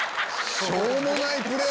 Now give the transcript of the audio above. しょうもないプレー！